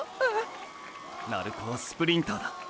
鳴子はスプリンターだ。